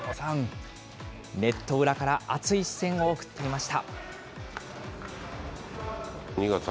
ネット裏から熱い視線を送っていました。